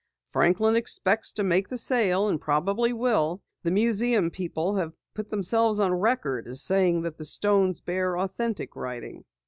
"Franklin expects to make the sale and probably will. The museum people have put themselves on record as saying that the stones bear authentic writing."